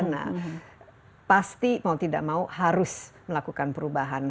nah pasti mau tidak mau harus melakukan perubahan